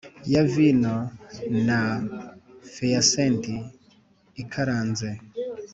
ya vino na pheasant ikaranze